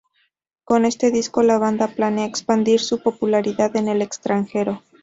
Con este disco la banda planea expandir su popularidad en el extranjero.